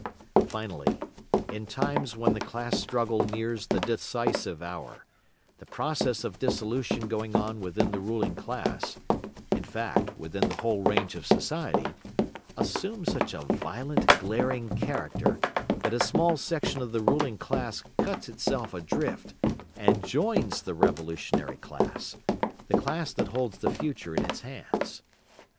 Finally, in times when the class struggle nears the decisive hour, the process of dissolution going on within the ruling class, in fact within the whole range of society, assumes such a violent, glaring character, that a small section of the ruling class cuts itself adrift, and joins the revolutionary class, the class that holds the future in its hands.